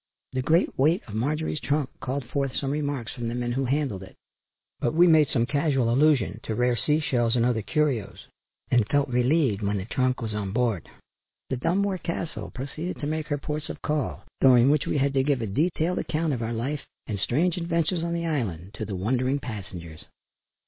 The great weight of Marjorie's trunk called forth some remarks from the men who handled it, but we made some casual allusion to rare sea shells and other curios and felt relieved when the trunk was on board. The Dunmore Castle proceeded to make her ports of call, during which we had to give a detailed account of our life and strange adventures on the island, to the wondering passengers.